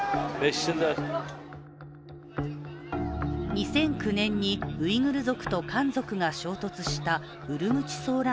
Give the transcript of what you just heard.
２００９年にウイグル族と漢族が衝突したウルムチ騒乱